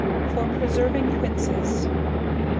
For preserving Quinces.